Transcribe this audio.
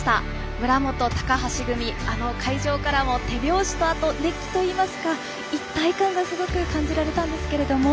村元、高橋組会場からも手拍子と熱気といいますか一体感がすごく感じられたんですけども。